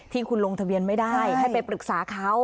ที่คุณลงทะเบียนไม่ได้ให้ไปปรึกษาเขา